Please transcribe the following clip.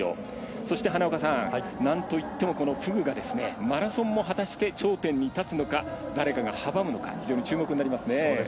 そしてなんといってもフグがマラソンも果たして頂点に立つのか、誰かが阻むのか非常に注目になりますので。